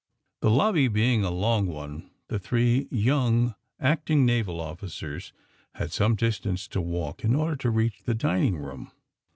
The lobby being a long one, the three young* acting naval officers had some distance to walk in order to reach the dining room.